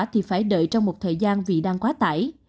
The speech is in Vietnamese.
thì phải đợi trong một thời gian vì đang quá tải